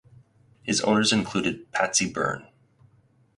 His owners included Patsy Byrne.